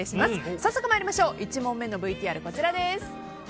早速、１問目のＶＴＲです。